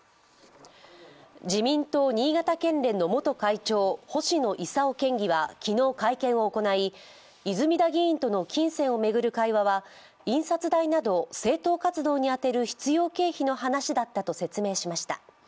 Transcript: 自民党新潟県連の元会長、星野伊佐夫県議は昨日会見を行い泉田議員との金銭を巡る会話は院最大など政党活動に充てる必要経費の話だったと説明しました。